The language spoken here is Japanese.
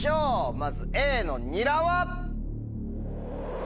まずＡのにらは？